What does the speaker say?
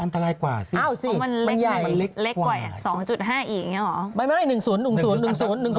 อันตรายกว่าซิมันเล็กกว่า๒๕อีกอย่างนี้เหรอ